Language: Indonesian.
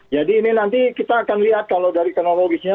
jadi ini nanti kita akan lihat kalau dari teknologisnya